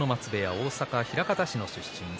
大阪・枚方市の出身です。